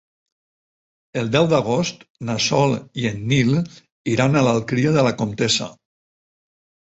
El deu d'agost na Sol i en Nil iran a l'Alqueria de la Comtessa.